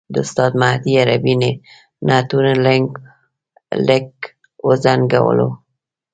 د استاد مهدي عربي نعتونو لږ وځنګولو.